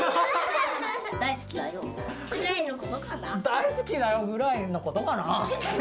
大好きだよぐらいのことかな。